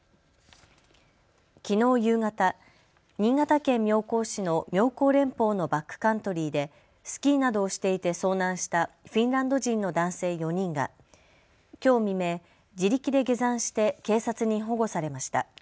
きのう夕方、新潟県妙高市の妙高連峰のバックカントリーでスキーなどをしていて遭難したフィンランド人の男性４人がきょう未明、自力で下山して警察に保護されました。